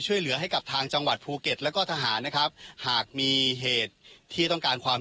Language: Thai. ช่วยเหลือให้กับทางจังหวัดภูเก็ตแล้วก็ทหารนะครับหากมีเหตุที่ต้องการความ